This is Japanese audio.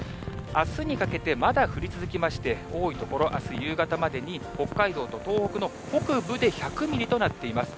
あすにかけて、まだ降り続きまして、多い所、あす夕方までに、北海道と東北の北部で１００ミリとなっています。